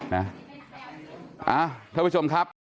ท่านผู้ชมครับ